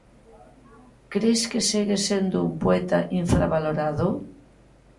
Cres que segue sendo un poeta infravalorado?